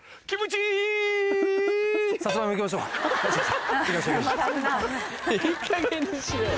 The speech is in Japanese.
いいかげんにしろよ。